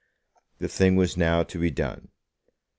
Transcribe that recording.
The thing was now to be done.